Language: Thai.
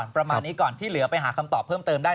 ประมาณนี้ก่อนที่เหลือไปหาคำตอบเพิ่มเติมได้